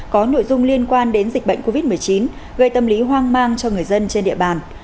có nội dung liên quan đến dịch bệnh covid một mươi chín gây tâm lý hoang mang cho người dân trên địa bàn